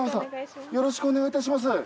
よろしくお願いします。